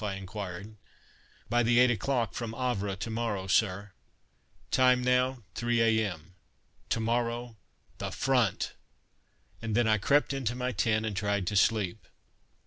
I inquired. "By the eight o'clock from Havre to morrow, sir." Time now 3 a.m. To morrow THE FRONT! And then I crept into my tent and tried to sleep.